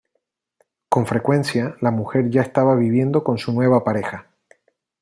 Con frecuencia la mujer ya estaba viviendo con su nueva pareja.